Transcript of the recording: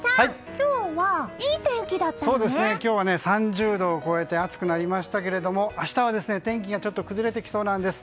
今日はね、３０度を超えて暑くなりましたけれども明日は天気がちょっと崩れてきそうなんです。